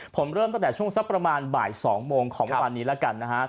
ผมเริ่มตั้งแต่ช่วงสักประมาณบ่าย๒โมงของเมื่อวานนี้แล้วกันนะครับ